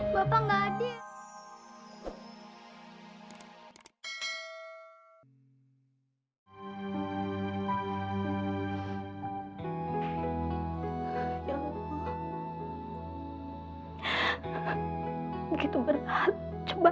begitu berat coba